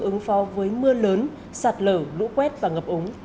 ứng phó với mưa lớn sạt lở lũ quét và ngập úng